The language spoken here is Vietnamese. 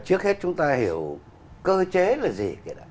trước hết chúng ta hiểu cơ chế là gì